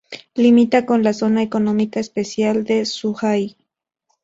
Limita con la Zona Económica Especial de Zhuhai.